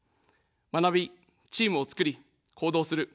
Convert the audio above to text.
学び、チームをつくり、行動する。